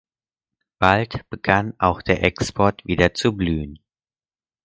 Bald begann auch der Export wieder zu blühen.